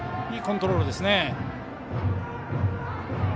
いいコントロールです。